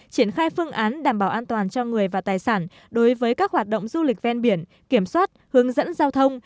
triển khai phương án đảm bảo an toàn cho người và tài sản đối với các hoạt động du lịch ven biển kiểm soát hướng dẫn giao thông